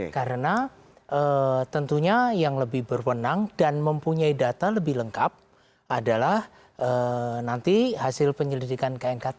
karena tentunya yang lebih berwenang dan mempunyai data lebih lengkap adalah nanti hasil penyelidikan knkt